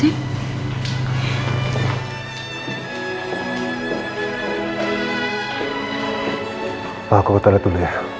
papa aku ke toilet dulu ya